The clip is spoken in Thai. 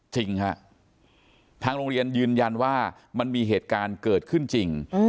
จริงฮะทางโรงเรียนยืนยันว่ามันมีเหตุการณ์เกิดขึ้นจริง